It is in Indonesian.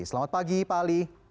selamat pagi pak ali